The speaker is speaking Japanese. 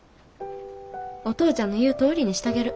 お父ちゃんの言うとおりにしたげる。